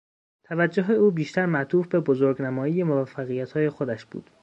توجه او بیشتر معطوف به بزرگ نمایی موفقیت های خودش بود.